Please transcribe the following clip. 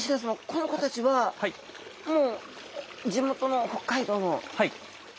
この子たちはもう地元の北海道の？